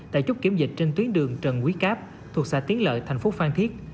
tại chốt kiểm dịch trên tuyến đường trần quý cáp thuộc xã tiến lợi thành phố phan thiết